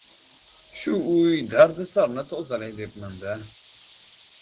Shu uy dardisarni tozalay depman-da!